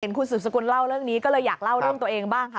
คุณสืบสกุลเล่าเรื่องนี้ก็เลยอยากเล่าเรื่องตัวเองบ้างค่ะ